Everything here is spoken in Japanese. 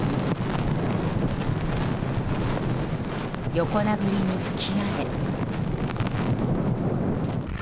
横殴りに吹き荒れ。